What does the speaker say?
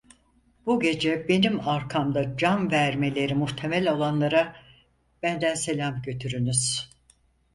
Bu gece benim arkamda can vermeleri muhtemel olanlara benden selam götürünüz.